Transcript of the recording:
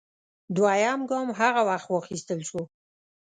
دویم ګام هغه وخت واخیستل شو